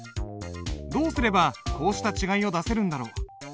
どうすればこうした違いを出せるんだろう。